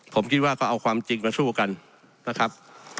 ผมคิดว่าก็เอาความจริงมาสู้กันนะครับ